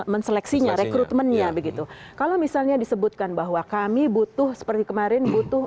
menseleksinya rekrutmennya begitu kalau misalnya disebutkan bahwa kami butuh seperti kemarin butuh